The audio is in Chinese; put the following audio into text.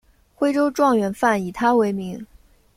徽州状元饭以他为名。